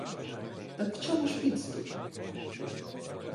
Так в чому ж підступ?